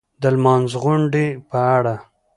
د لمانځغونډې په اړه